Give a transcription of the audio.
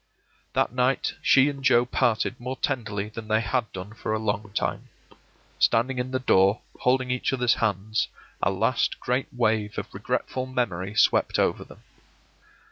That night she and Joe parted more tenderly than they had done for a long time. Standing in the door, holding each other's hands, a last great wave of regretful memory swept over them.